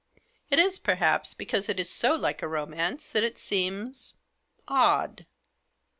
"It is, perhaps, because it is so like a romance that it seems — odd."